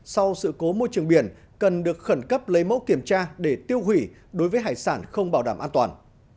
sau sự cố môi trường biển cần được khẩn cấp lấy mẫu kiểm tra để tiêu hủy đối với hải sản không bảo đảm an toàn